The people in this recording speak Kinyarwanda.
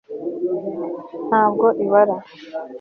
ntabwo ibara